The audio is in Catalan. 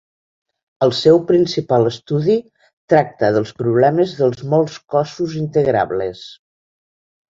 El seu principal estudi tracta dels problemes dels molts cossos integrables.